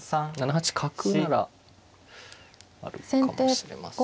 八角ならあるかもしれません。